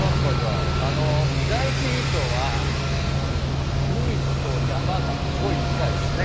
あの第一印象は海と山がすごい近いっすね